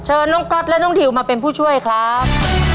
น้องก๊อตและน้องดิวมาเป็นผู้ช่วยครับ